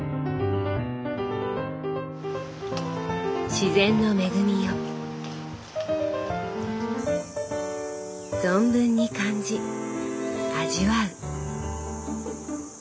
自然の恵みを存分に感じ味わう。